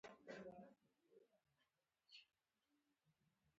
مدونه بڼه وښتي.